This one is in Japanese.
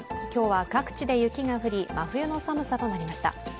今日は各地で雪が降り真冬の寒さとなりました。